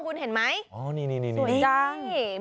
คุณเห็นไหมสวยจัง